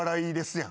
やん